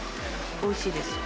おいしいです。